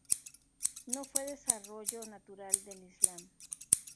No fue desarrollo natural del Islam.